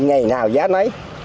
ngày nào giá nấy